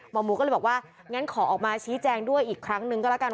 หมอหมูก็เลยบอกว่างั้นขอออกมาชี้แจงด้วยอีกครั้งหนึ่งก็แล้วกัน